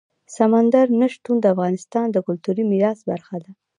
سمندر نه شتون د افغانستان د کلتوري میراث برخه ده.